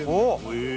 へえ。